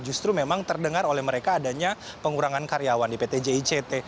justru memang terdengar oleh mereka adanya pengurangan karyawan di pt jict